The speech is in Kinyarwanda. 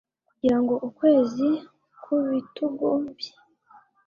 kugira ngo ukwezi ku bitugu bye